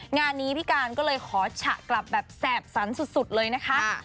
งานนี้พี่การก็เลยขอฉะกลับแบบแสบสันสุดเลยนะคะ